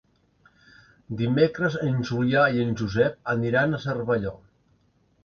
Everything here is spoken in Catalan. Dimecres en Julià i en Josep aniran a Cervelló.